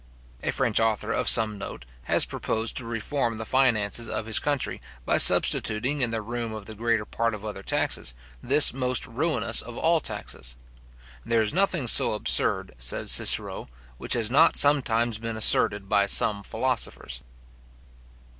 A French author {Le Reformateur} of some note, has proposed to reform the finances of his country, by substituting in the room of the greater part of other taxes, this most ruinous of all taxes. There is nothing so absurd, says Cicero, which has not sometimes been asserted by some philosophers.